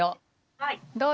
はい。